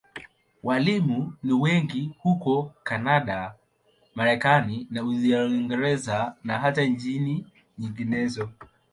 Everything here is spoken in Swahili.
Walimu ni wengi hutoka Kanada, Marekani na Uingereza, na hata nchi nyinginezo.